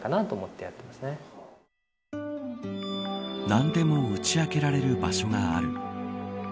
何でも打ち明けられる場所がある。